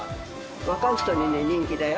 若い人にね人気だよ